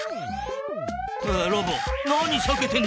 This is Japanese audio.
ロボなにさけてんだ。